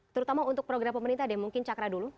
terutama untuk program pemerintah deh mungkin cakra dulu